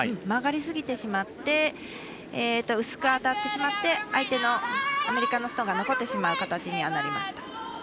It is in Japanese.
曲がりすぎてしまって薄く当たってしまって相手のアメリカのストーンが残ってしまう形にはなりました。